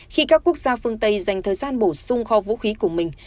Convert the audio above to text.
khi các quốc gia phương tây dành thời gian bổ sung kho vũ khí của mình